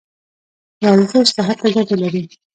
ورزش صحت ته ګټه لري